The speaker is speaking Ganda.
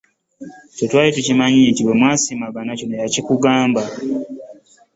Ffe twali tukimanyi nti bwe mwasiimagana kino yakikugamba